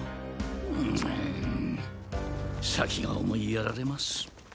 ん先が思いやられます。